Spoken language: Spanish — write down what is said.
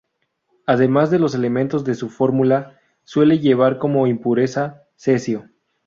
Además de los elementos de su fórmula, suele llevar como impureza cesio.